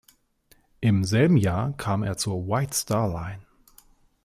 Im selben Jahr kam er zur White Star Line.